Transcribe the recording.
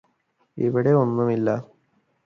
ഇവിടെ ഒന്നുമില്ല